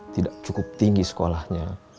tidak cukup tinggi sekolahnya